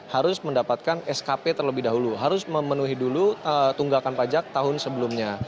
harus mendapatkan skp terlebih dahulu harus memenuhi dulu tunggakan pajak tahun sebelumnya